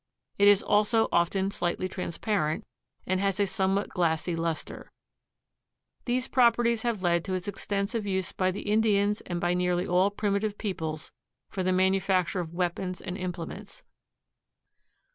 It is also often slightly transparent and has a somewhat glassy luster. These properties have led to its extensive use by the Indians and by nearly all primitive peoples for the manufacture of weapons and implements.